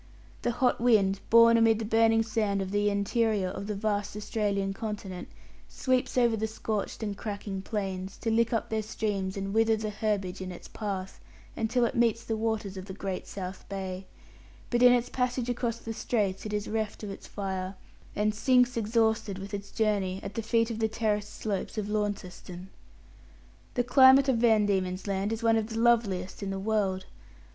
The hot wind, born amid the burning sand of the interior of the vast Australian continent, sweeps over the scorched and cracking plains, to lick up their streams and wither the herbage in its path, until it meets the waters of the great south bay; but in its passage across the straits it is reft of its fire, and sinks, exhausted with its journey, at the feet of the terraced slopes of Launceston. The climate of Van Diemen's Land is one of the loveliest in the world.